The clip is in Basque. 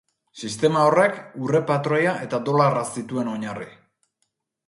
Sistema horrek urre-patroia eta dolarra zituen oinarri.